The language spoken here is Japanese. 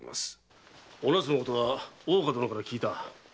お奈津のことは大岡殿から聞いた。